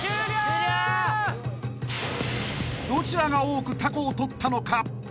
［どちらが多くタコをとったのか］